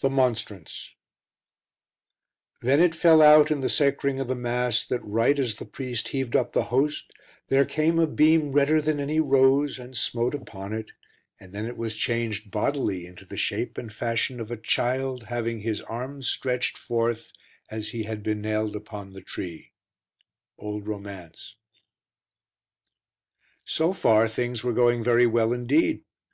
The Monstrance Then it fell out in the sacring of the Mass that right as the priest heaved up the Host there came a beam redder than any rose and smote upon it, and then it was changed bodily into the shape and fashion of a Child having his arms stretched forth, as he had been nailed upon the Tree. Old Romance. So far things were going very well indeed.